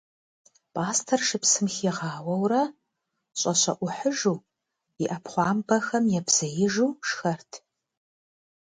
Пӏастэр шыпсым хигъауэурэ, щӏэщэӏухьыжу, и ӏэпхъуамбэхэм ебзеижу шхэрт.